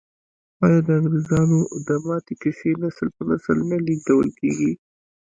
آیا د انګریزامو د ماتې کیسې نسل په نسل نه لیږدول کیږي؟